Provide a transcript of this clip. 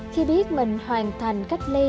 khi biết mình hoàn thành cách ly